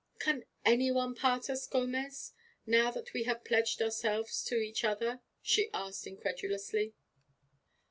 'Can any one part us, Gomez, now that we have pledged ourselves to each other?' she asked, incredulously.